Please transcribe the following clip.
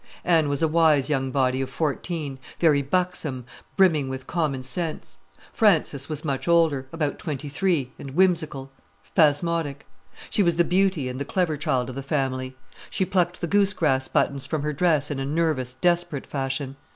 Anne was a wise young body of fourteen, very buxom, brimming with common sense. Frances was much older, about twenty three, and whimsical, spasmodic. She was the beauty and the clever child of the family. She plucked the goose grass buttons from her dress in a nervous, desperate fashion.